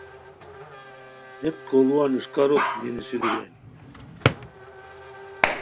ہیت کوڑوان اݰکاروت یی نیسیرو بیرانی